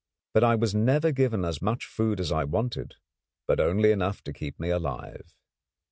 But I was never given as much food as I wanted, but only enough to keep me alive.